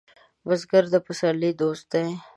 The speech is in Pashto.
بزګر د پسرلي دوست دی